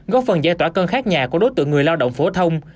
góp phần giải tỏa cân khác nhà của đối tượng người lao động phổ thông